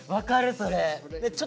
それ。